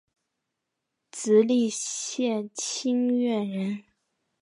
直隶省清苑县人。